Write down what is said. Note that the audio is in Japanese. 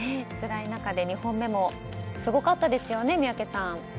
つらい中で２本目もすごかったですよね、宮家さん。